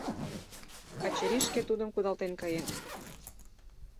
Качырий шке тудым кудалтен каен!